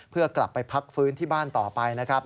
เพื่อกลับไปพักฟื้นที่บ้านต่อไปนะครับ